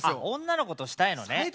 あ女の子としたいのね。